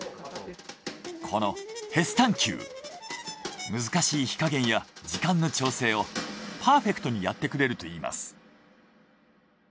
このヘスタンキュー難しい火加減や時間の調整をパーフェクトにやってくれるといいます。